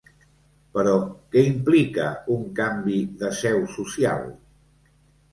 Però què implica un canvi de seu social?